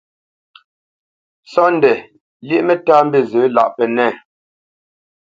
Sóndɛ lyéʼ mǝ́tāmbîzǝ lâʼ pǝnɛ̂.